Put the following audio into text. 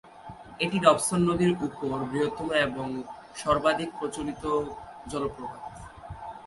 এটি রবসন নদীর উপর বৃহত্তম এবং সর্বাধিক পরিচিত জলপ্রপাত।